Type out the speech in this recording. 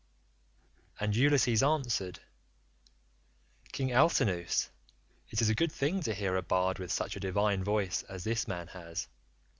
And Ulysses answered, "King Alcinous, it is a good thing to hear a bard with such a divine voice as this man has.